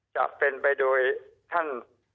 จะเป็นไปโดยท่าน